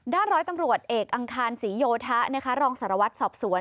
ร้อยตำรวจเอกอังคารศรีโยธะรองสารวัตรสอบสวน